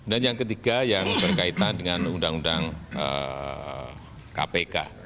dan yang ketiga yang berkaitan dengan undang undang kpk